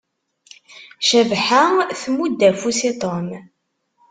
Cabḥa tmudd afus i Tom.